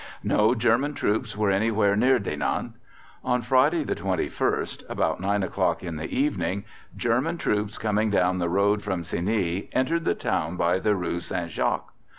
No German troops were anywhere near Dinant. On Friday, the 21st, about 9 o'clock in the evening, German troops coming down the road from Ciney entered the town by the Rue St. Jacques.